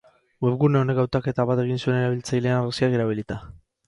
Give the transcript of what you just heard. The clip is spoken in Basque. Webgune honek hautaketa bat egin zuen erabiltzaileen argazkiak erabilita.